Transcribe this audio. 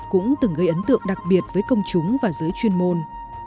cũng từng gây ấn tượng đặc biệt với công chúng và giới chuyên môn